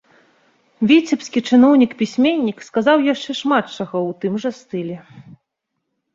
Віцебскі чыноўнік-пісьменнік сказаў яшчэ шмат чаго ў тым жа стылі.